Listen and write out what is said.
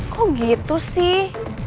kok begitu sih